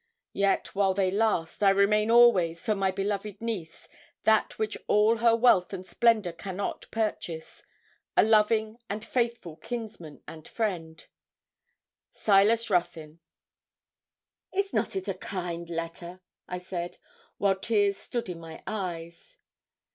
Yet, while they last, I remain always for my beloved niece, that which all her wealth and splendour cannot purchase a loving and faithful kinsman and friend, SILAS RUTHYN.' 'Is not it a kind letter?' I said, while tears stood in my eyes.